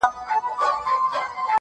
• نقادان يې بېلابېل تحليلونه کوي تل..